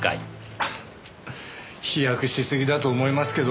ハハッ飛躍しすぎだと思いますけど？